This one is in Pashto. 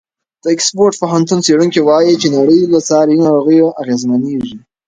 د اکسفورډ پوهنتون څېړونکي وایي چې نړۍ له ساري ناروغیو اغېزمنېږي.